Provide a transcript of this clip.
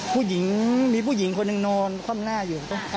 ผู้หญิงมีผู้หญิงคนหนึ่งนอนคว่ำหน้าอยู่